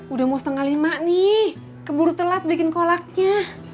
udah mau setengah lima nih keburu telat bikin kolaknya